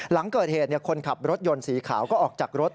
หลังเกิดเหตุคนขับรถยนต์สีขาวก็ออกจากรถ